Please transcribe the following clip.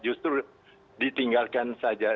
justru ditinggalkan saja